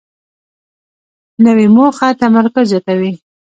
نوې موخه تمرکز زیاتوي